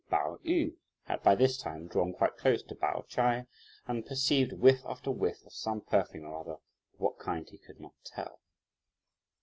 Pao yü had, by this time, drawn quite close to Pao Ch'ai, and perceived whiff after whiff of some perfume or other, of what kind he could not tell.